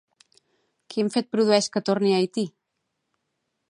Quin fet produeix que torni a Haití?